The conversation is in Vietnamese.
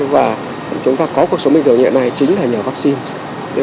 và chúng ta có cuộc sống bình thường như thế này chính là nhờ vaccine